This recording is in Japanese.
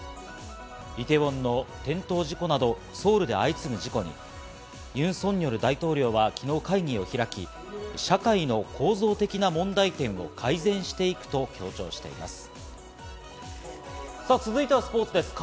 イテウォンの転倒事故などソウルで相次ぐ事故にユン・ソンニョル大統領はきのう会議を開き、社会の構造的な問題点を改善していくと強調しています。